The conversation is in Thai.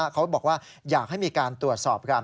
เขาบอกว่าอยากให้มีการตรวจสอบกัน